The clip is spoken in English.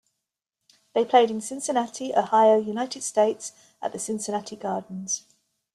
They played in Cincinnati, Ohio, United States, at the Cincinnati Gardens.